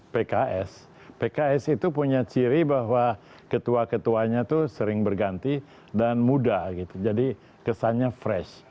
pks pks itu punya ciri bahwa ketua ketuanya itu sering berganti dan muda gitu jadi kesannya fresh